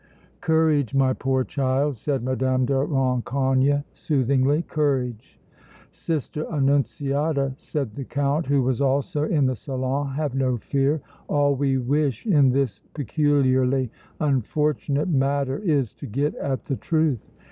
"Courage, my poor child," said Mme. de Rancogne, soothingly, "courage!" "Sister Annunziata," said the Count, who was also in the salon, "have no fear. All we wish in this peculiarly unfortunate matter is to get at the truth.